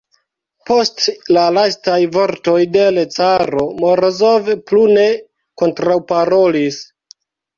Post la lastaj vortoj de l' caro Morozov plu ne kontraŭparolis.